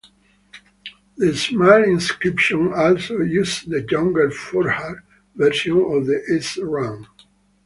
The small inscription also uses the younger futhark version of the s-rune.